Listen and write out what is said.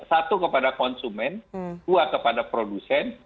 satu kepada konsumen dua kepada produsen